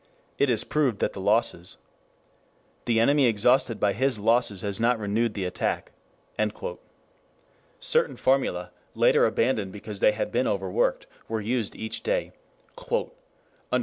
'it is proved that the losses' ... 'the enemy exhausted by his losses has not renewed the attack' ... Certain formulae, later abandoned because they had been overworked, were used each day: 'under our artillery and machine gun fire' ...